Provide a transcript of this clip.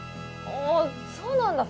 あそうなんだ